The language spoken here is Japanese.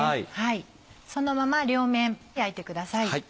そのまま両面焼いてください。